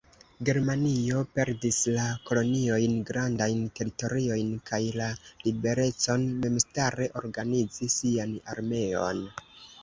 Germanio perdis la koloniojn, grandajn teritoriojn kaj la liberecon memstare organizi sian armeon.